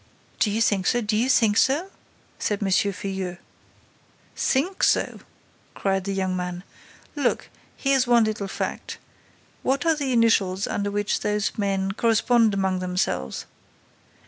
"Do you think so? Do you think so?" said M. Filleul. "Think so!" cried the young man. "Look, here's one little fact: what are the initials under which those men correspond among themselves?